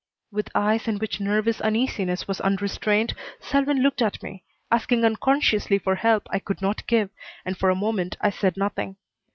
With eyes in which nervous uneasiness was unrestrained, Selwyn looked at me, asking unconsciously for help I could not give, and for a moment I said nothing.